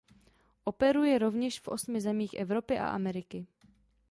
Operuje rovněž v osmi zemích Evropy a Ameriky.